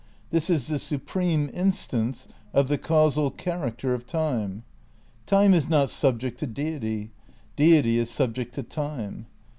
This is the supreme instance of the causal character of Time. Time is not subject to Deity; Deity is subject to Time.